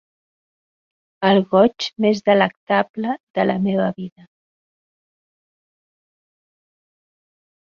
El goig més delectable de la meva vida.